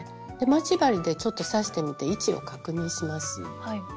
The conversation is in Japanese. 待ち針でちょっと刺してみて位置を確認します。